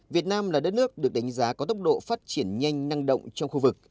việt nam là đất nước được đánh giá có tốc độ phát triển nhanh năng động trong khu vực